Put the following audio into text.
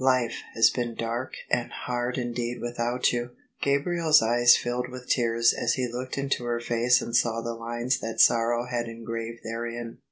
" Life has been dark and hard indeed without you! " Gabriel's eyes filled with tears as he looked into her face and saw the lines that sorrow had engraved therein.